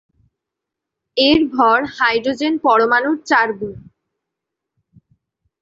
এর ভর হাইড্রোজেন পরমাণুর চার গুণ।